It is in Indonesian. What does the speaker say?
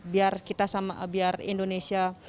biar kita sama biar indonesia